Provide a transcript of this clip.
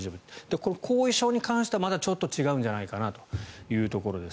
この後遺症に関してはまだちょっと違うんじゃないかなというところです。